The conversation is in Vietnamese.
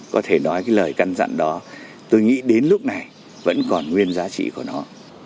có thể nói cái lời căn dặn đó tôi nghĩ đến lúc này vẫn còn nguyên giá trị của nó